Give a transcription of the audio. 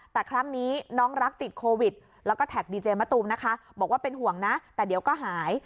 แต่ครั้งนี้น้องรักติดโควิดแล้วก็แท็กดีเจมะตูมนะคะบอกว่าเป็นห่วงนะแต่เดี๋ยวก็หาย